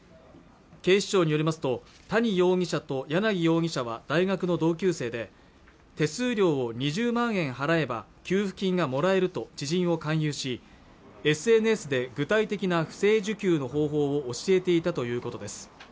警視庁によりますと谷容疑者と柳容疑者は大学の同級生で手数料２０万円払えば給付金がもらえると知人を勧誘しＳＮＳで具体的な不正受給の方法を教えていたということです